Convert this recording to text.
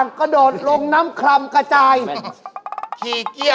๗โมงเช้า